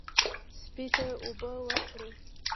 سپي ته اوبه ورکړئ.